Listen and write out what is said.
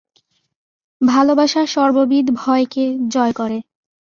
ভালবাসা সর্ববিধ ভয়কে জয় করে।